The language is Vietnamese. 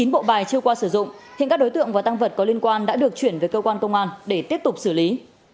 một mươi bộ bài chưa qua sử dụng hiện các đối tượng và tăng vật có liên quan đã được chuyển về cơ quan công an để tiếp tục xử lý